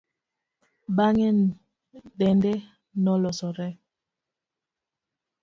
Bang'e dende nolosore.